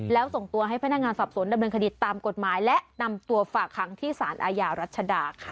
แล้วส่งตัวให้พนักงานสอบสวนดำเนินคดีตามกฎหมายและนำตัวฝากคังที่สารอาญารัชดาค่ะ